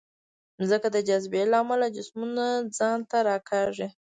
ځمکه د جاذبې له امله جسمونه ځان ته راکاږي.